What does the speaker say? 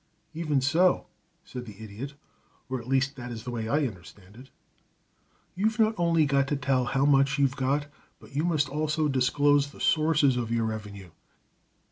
"Even so," said the Idiot, "or at least that is the way I understand it. You've not only got to tell how much you've got, but you must also disclose the sources of your revenue.